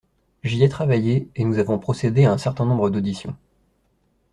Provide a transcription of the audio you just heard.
J’y ai travaillé et nous avons procédé à un certain nombre d’auditions.